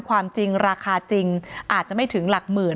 ความจริงราคาจริงอาจจะไม่ถึงหลักหมื่น